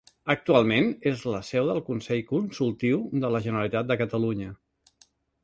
Actualment, és la seu del Consell Consultiu de la Generalitat de Catalunya.